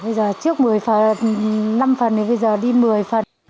bây giờ trước một mươi năm phần thì bây giờ đi một mươi phần